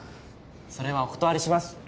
それはお断りします。